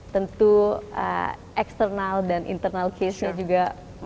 tentu eksternal dan internal case nya juga